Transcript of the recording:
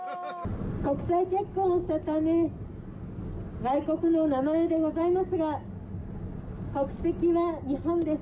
国際結婚したため、外国の名前でございますが、国籍は日本です。